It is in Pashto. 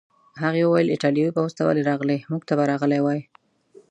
هغې وویل: ایټالوي پوځ ته ولې راغلې؟ موږ ته به راغلی وای.